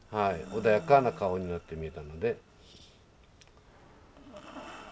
穏やかな顔になってみえたので。